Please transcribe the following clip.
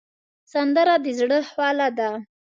سندره د زړه خواله ده